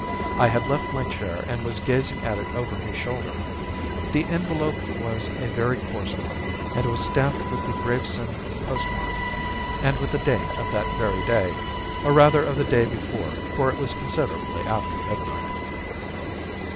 I had left my chair and was gazing at it over his shoulder. The envelope was a very coarse one and was stamped with the Gravesend postmark and with the date of that very day, or rather of the day before, for it was considerably after midnight.